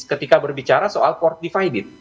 ketika berbicara soal court divided